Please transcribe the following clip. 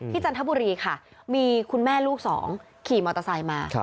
จันทบุรีค่ะมีคุณแม่ลูกสองขี่มอเตอร์ไซค์มา